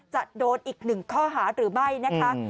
จะโดนอีกหนึ่งข้อหาหรือไม่นะคะ